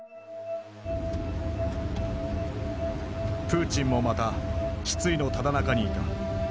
プーチンもまた失意のただ中にいた。